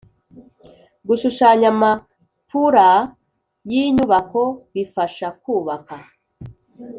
Gushushanya amapula y inyubako bifasha kubaka